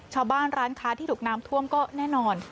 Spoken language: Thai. ร้านค้าที่ถูกน้ำท่วมก็แน่นอน